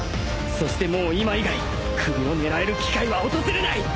そしてもう今以外首を狙える機会は訪れない！